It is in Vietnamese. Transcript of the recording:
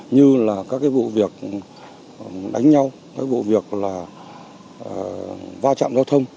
như là các cái vụ việc đánh nhau các vụ việc là va chạm giao thông